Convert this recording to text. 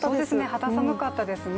肌寒かったですね。